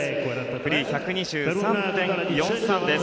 フリー１２３．４３です。